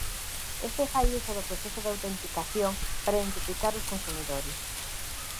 Este fai uso do proceso de autenticación para identificar aos consumidores.